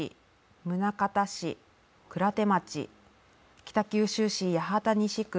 宗像市鞍手町北九州市八幡西区